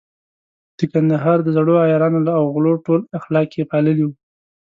د کندهار د زړو عیارانو او غلو ټول اخلاق يې پاللي وو.